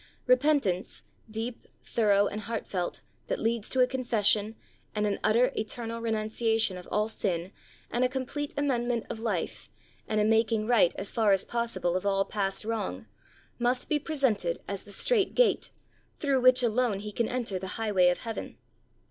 Repentance, deep, thorough and heartfelt, that leads to a confession and an utter, eternal renuncia tion of all sin and a complete amendment of life and a making right as far as possible of all past wrong, must be presented as tTie "straight gate" through which alone he can enter the highway of Heaven.